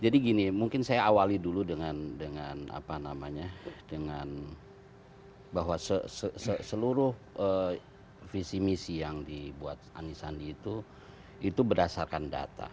jadi gini mungkin saya awali dulu dengan bahwa seluruh visi misi yang dibuat anis sandi itu berdasarkan data